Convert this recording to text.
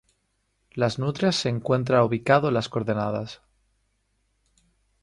Las Nutrias se encuentra ubicado en las coordenadas.